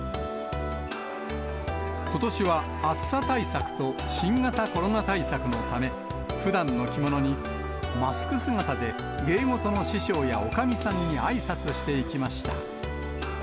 ことしは、暑さ対策と新型コロナ対策のため、ふだんの着物に、マスク姿で芸事の師匠やおかみさんにあいさつしていきました。